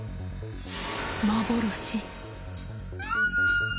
幻。